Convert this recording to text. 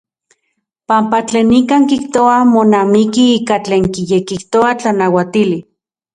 Panpa tlen nikan kijtoa monamiki ika tlen kiyekijtoa tlanauatili.